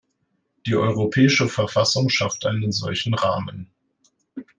Die Europäische Verfassung schafft einen solchen Rahmen.